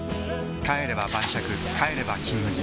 帰れば晩酌帰れば「金麦」